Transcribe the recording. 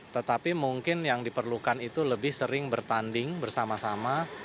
tetapi mungkin yang diperlukan itu lebih sering bertanding bersama sama